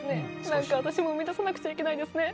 なんか私も生み出さなくちゃいけないですね。